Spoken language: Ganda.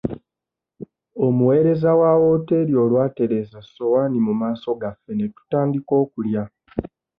Omuweereza wa wooteri olwatereeza essowaani mu maaso gaffe ne tutandika okulya.